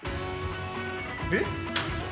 えっ？